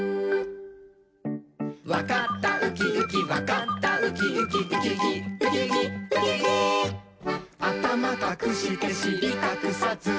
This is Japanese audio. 「わかったウキウキわかったウキウキ」「ウキウキウキウキウキウキ」「あたまかくしてしりかくさず」